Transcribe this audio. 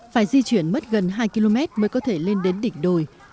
phải di chuyển mất gần hai km mới có thể lên đến đỉnh đồi